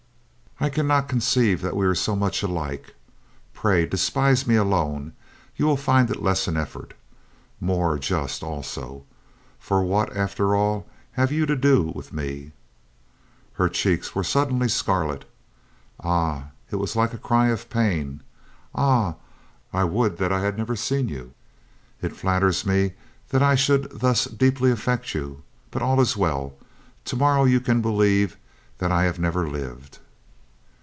"I can not conceive that we are so much alike. Pray, despise me alone; you will find it less an efTort. More just, also. For what, after all, have you to do with me?" Her cheeks were suddenly scarlet. "Ah!" It was like a cry of pain. "Ah, I would that I had never seen you !" "It flatters me that I should thus deeply affect you. But all is well. To morrow you can believe that I have never lived."